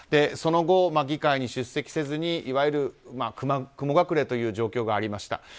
その後、議会に出席せずにいわゆる雲隠れという状況がありました。